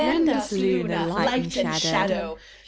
Lend us, Luna, light and shadow.